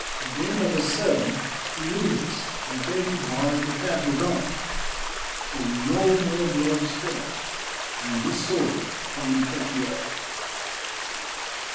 Then of a sudden he knew this, that they who barred the path were gone, for no more blows fell, and his sword only cut the air.